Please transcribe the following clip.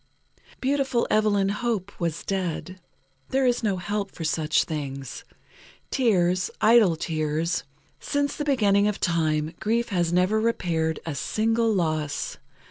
Beautiful Evelyn Hope was dead. There is no help for such things. Tears, idle tears. Since the beginning of time, grief has never repaired a single loss.